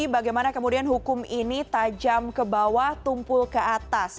jadi bagaimana kemudian hukum ini tajam ke bawah tumpul ke atas